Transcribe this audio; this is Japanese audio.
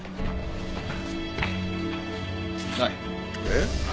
ない。えっ？